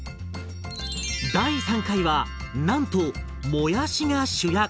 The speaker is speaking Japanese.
第３回はなんともやしが主役！